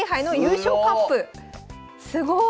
すごい！